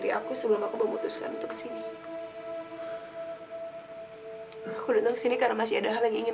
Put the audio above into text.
kita kan gak bisa pisah dengan cara kayak gini